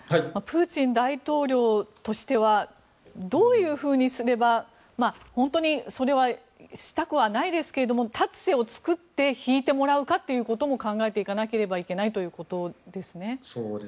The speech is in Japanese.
プーチン大統領としてはどういうふうにすれば本当にそれはしたくはないですけれども立つ瀬を作って引いてもらうかということも考えてもらわなきゃいけないということですね。